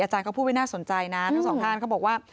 อาจารเขาพูดไว้น่าสนใจนะทั้งสองท่านเขาบอกว่า